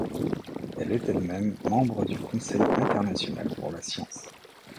Elle est elle-même membre du Conseil international pour la science.